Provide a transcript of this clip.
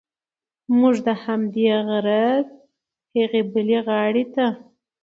موږ د همدې غره هغې بلې غاړې ته.